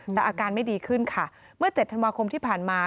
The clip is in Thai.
แต่อาการไม่ดีขึ้นค่ะเมื่อ๗ธันวาคมที่ผ่านมา